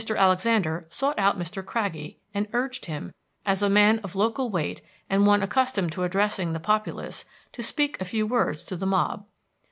Alexander sought out Mr. Craggie, and urged him, as a man of local weight and one accustomed to addressing the populace, to speak a few words to the mob.